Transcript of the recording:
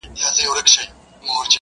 ملکه له تخته پورته په هوا سوه-